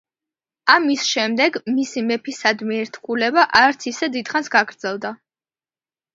ამის შემდეგ მისი მეფისადმი ერთგულება არც ისე დიდხანს გაგრძელდა.